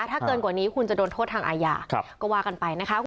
ถ้าเกินกว่านี้คุณจะโดนโทษทางอาญาก็ว่ากันไปนะคะ